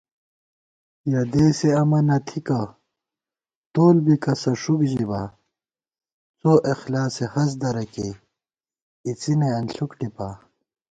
یَہ دېسےامہ نہ تھِکہ ، تول بی کسہ ݭُک ژِبا * څواخلاصےہست درہ کېئی اِڅِنےانݪُک ٹِپا